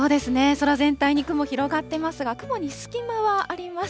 空全体に雲、広がってますが、雲に隙間はあります。